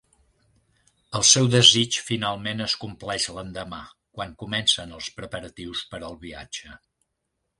El seu desig finalment es compleix l'endemà, quan comencen els preparatius per al viatge.